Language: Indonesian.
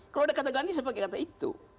kalau ada kata ganti saya pakai kata itu